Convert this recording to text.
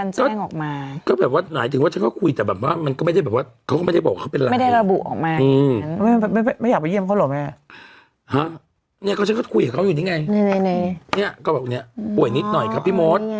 นิดหน่อยครับพี่มศอ่าเขาตอบมาว่าเขาป่วยนิดหน่อยอ่ะเออ